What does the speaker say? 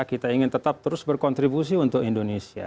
kita ingin tetap terus berkontribusi untuk indonesia